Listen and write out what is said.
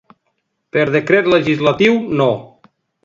Per decret legislatiu No.